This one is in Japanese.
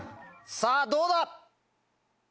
さぁどうだ？